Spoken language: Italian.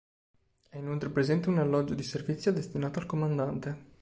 È inoltre presente un alloggio di servizio destinato al comandante.